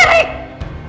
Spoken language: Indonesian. kalau di young buena